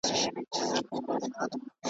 زرکي وویل زما ژوند به دي په کار سي .